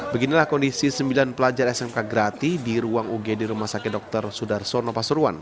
beginilah kondisi sembilan pelajar smk grati di ruang ugd rumah sakit dr sudarsono pasuruan